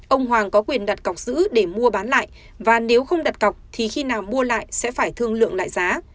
ông hoàng có quyền đặt cọc giữ để mua bán lại và nếu không đặt cọc thì khi nào mua lại sẽ phải thương lượng lại giá